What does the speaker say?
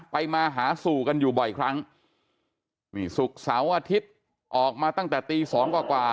มาหาสู่กันอยู่บ่อยครั้งนี่ศุกร์เสาร์อาทิตย์ออกมาตั้งแต่ตีสองกว่า